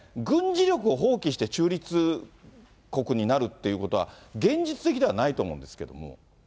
軍事力を放棄して中立国になるっていうことは、現実的ではないと思うんですけれども。